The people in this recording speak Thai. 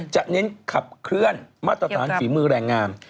เน้นขับเคลื่อนมาตรฐานฝีมือแรงงาม